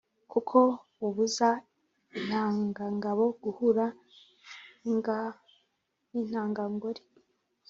kuko bubuza intangangabo guhura n’intangangore